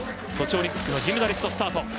ソチオリンピックの銀メダリスト、スタート。